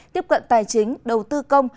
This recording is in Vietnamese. tiếp cận tài chính đầu tư công